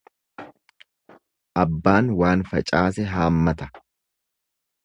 Abbaan waan facaase haammata.